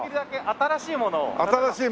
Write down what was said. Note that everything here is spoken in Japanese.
新しいもの。